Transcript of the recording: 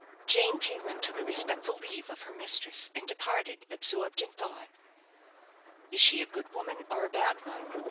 Jane Payland took a respectful leave of her mistress, and departed, absorbed in thought. "Is she a good woman or a bad one?"